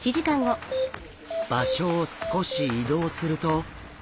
場所を少し移動すると。